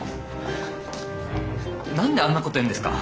何であんなこと言うんですか？